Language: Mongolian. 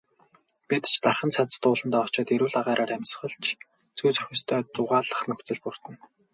Бид ч дархан цаазат ууландаа очоод эрүүл агаараар амьсгалж, зүй зохистой зугаалах нөхцөл бүрдэнэ.